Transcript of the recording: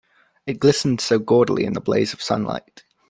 It glistened so gaudily in the blaze of sunlight.